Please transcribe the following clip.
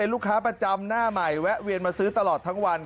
ว่ามันจะซึกเหมือนในพัก